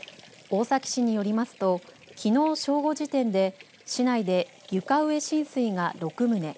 大崎市によりますときのう正午時点で市内で床上浸水が６棟。